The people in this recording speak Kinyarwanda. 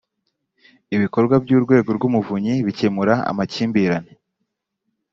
ibikorwa by ‘urwego rw ‘umuvunyi bikemura amakimbirane.